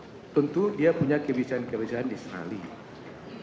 tapi tentu dia punya kebiasaan kebiasaan di australia